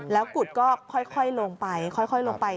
แล้วกุฏก็ค่อยลงไปลงไป